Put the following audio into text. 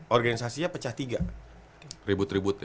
organisasinya pecah tiga ribut ributnya